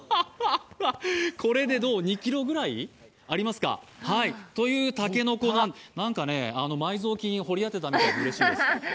これで２ｋｇぐらいありますか。という竹の子が、埋蔵金を掘り当てたみたいにうれしいです。